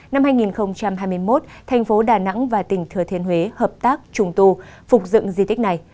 năm hai nghìn hai mươi một thành phố đà nẵng và tỉnh thừa thiên huế hợp tác trùng tu phục dựng di tích này